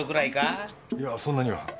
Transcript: いやそんなには。